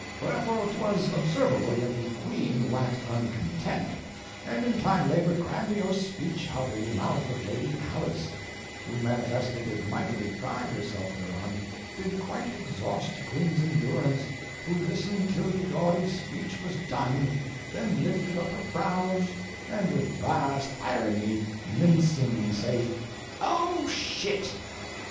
Wherefore 'twas observable yt ye quene waxed uncontent; and in time labor'd grandiose speeche out of ye mouth of Lady Alice, who manifestly did mightily pride herself thereon, did quite exhauste ye quene's endurance, who listened till ye gaudy speeche was done, then lifted up her brows, and with vaste irony, mincing saith 'O shit!'